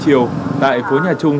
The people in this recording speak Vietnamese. một mươi năm h chiều tại phố nhà chung